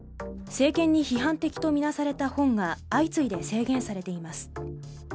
政権に批判的と見なされた本が相次いで制限されています。